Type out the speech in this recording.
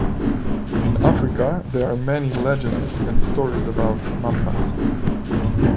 In Africa there are many legends and stories about mambas.